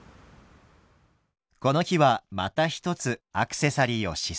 この日はまた一つアクセサリーを試作。